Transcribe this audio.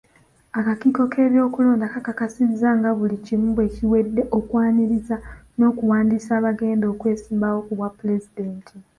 Akakiiko k'ebyokulonda kakakasizza nga buli kimu bwe kiwedde okwaniriza n'okuwandiisa abagenda okwesimbawo ku bwapulezidenti